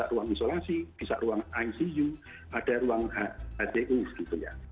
ruang isolasi bisa ruang icu ada ruang hcu gitu ya